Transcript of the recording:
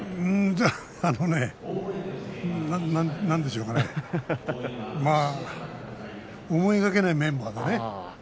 なんでしょうかね思いがけないメンバーだね。